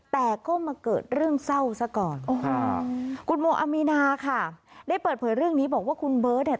แต่ก็มาเกิดเรื่องเศร้าซะก่อนโอ้โหคุณโมอามีนาค่ะได้เปิดเผยเรื่องนี้บอกว่าคุณเบิร์ตเนี่ย